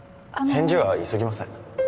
返事は急ぎません